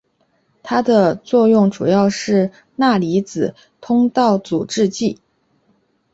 它的作用主要是钠离子通道阻滞剂。